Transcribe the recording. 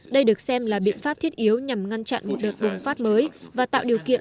đây được xem là biện pháp thiết yếu nhằm ngăn chặn một đợt bùng phát mới và tạo điều kiện